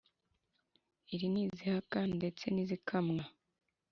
iri n' izihaka ndetse n' izikamwa